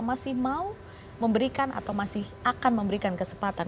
akan memberikan kesempatan